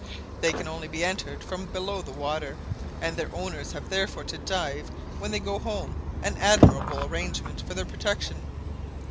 They can only be entered from below the water, and their owners have therefore to dive when they go home an admirable arrangement for their protection.